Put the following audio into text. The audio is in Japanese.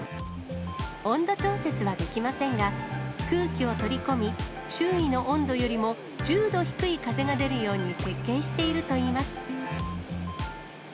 温度調節はできませんが、空気を取り込み、周囲の温度よりも１０度低い風が出るように設計しているといいます。